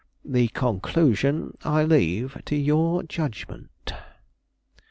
The conclusion I leave to your judgment."